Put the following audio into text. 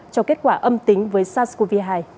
cho kết quả âm tính với sars cov hai